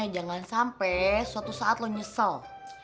jangan sampai suatu saat lo nyesel